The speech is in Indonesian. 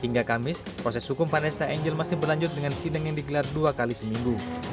hingga kamis proses hukum vanessa angel masih berlanjut dengan sidang yang digelar dua kali seminggu